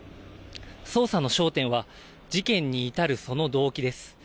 捜査の焦点は、事件に至るその動機です。